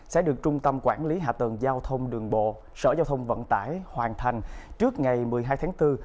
sẽ được trung tâm quản lý hạ tầng giao thông đường bộ sở giao thông vận tải hoàn thành trước ngày một mươi hai tháng bốn